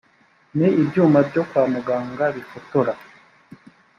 ni ibyuma byo kwa muganga bifotora